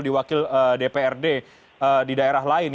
diwakil dprd di daerah lain